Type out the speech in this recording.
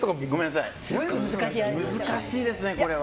難しいですね、これは。